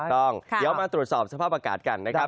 ต้องเดี๋ยวมาตรวจสอบสภาพอากาศกันนะครับ